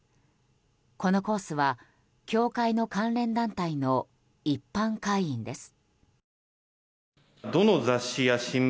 このコースは教会の関連団体の一般会員です。